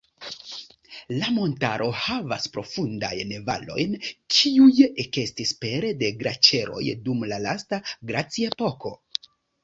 La montaro havas profundajn valojn, kiuj ekestis pere de glaĉeroj dum la lasta glaciepoko.